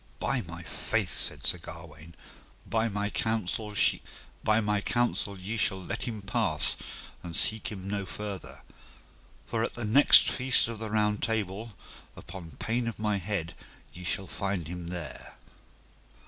By my faith, said Sir Gawaine, by my counsel ye shall let him pass and seek him no further; for at the next feast of the Round Table, upon pain of my head ye shall find him there.